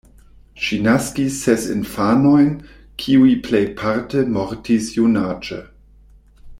Ŝi naskis ses infanojn, kiuj plejparte mortis junaĝe.